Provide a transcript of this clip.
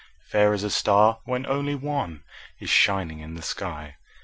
–Fair as a star, when only one Is shining in the sky.